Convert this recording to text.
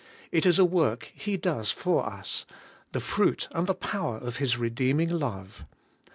It is a work He does for us, — the fruit and the power of His redeeming love.